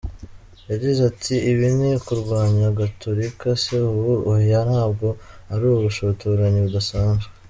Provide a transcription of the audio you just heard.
Yagize ati "Ibi ni ukurwanya Gatolika se ubu? Oya ntabwo ari ubushotoranyi budasanzwe.